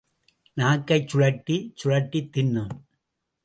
நாக்கைச் சுழற்றிச் சுழற்றித் தின்னும்.